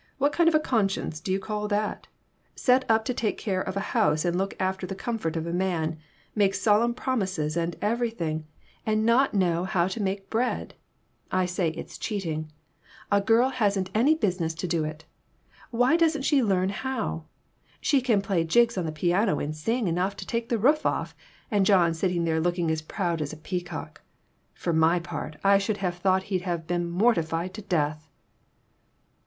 What kind of a conscience do you call that ? Set up to take care of a house and look after the comfort of a man, make solemn promises and everything, and not know how to 62 PERTURBATIONS. make bread ? I say it's cheating. A girl hasn't any business to do it. Why don't she learn how? She can play jigs on the piano and sing enough to take the roof off, and John sitting there look ing as proud as a peacock. For my part, I should have thought he'd have been mortified to death."